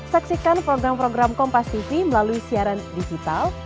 saksikan program program kompastv melalui siaran digital